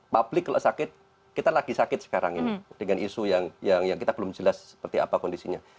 publik kalau sakit kita lagi sakit sekarang ini dengan isu yang kita belum jelas seperti apa kondisinya